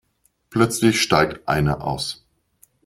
Plötzlich steigt einer aus.